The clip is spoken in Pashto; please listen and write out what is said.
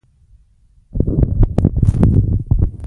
دوی نه غوښتل چې د دښمن لاسته ژوندي ولویږي.